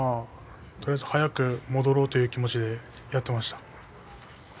早く戻ろうという気持ちでやっていました。